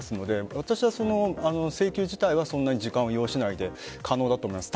私はその請求自体はそんなに時間を要しないで可能だと思います。